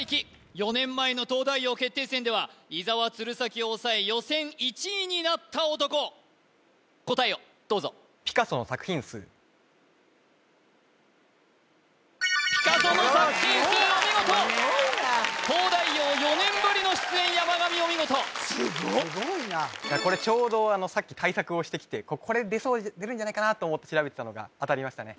４年前の東大王決定戦では伊沢鶴崎を抑え予選１位になった男答えをどうぞピカソの作品数お見事すごいな「東大王」４年ぶりの出演山上お見事すごっすごいなこれちょうどさっき対策をしてきてこれ出るんじゃないかなって調べてたのが当たりましたね